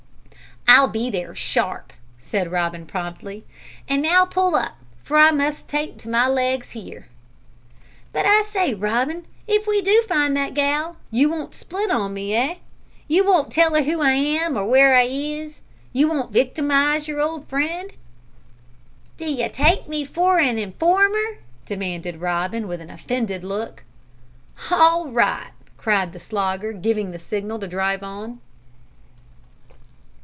"I'll be there sharp," said Robin promptly; "an now pull up, for I must take to my legs here." "But I say, Robin, if we do find that gal, you won't split on me, eh? You won't tell 'er who I am or where I is? You won't wictimise your old friend?" "D'you take me for a informer?" demanded Robin, with an offended look. "Hall right," cried the Slogger, giving the signal to drive on.